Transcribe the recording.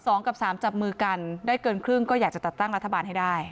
สองกับสามจับมือกันได้เกินครึ่งก็อยากจะจัดตั้งรัฐบาลให้ได้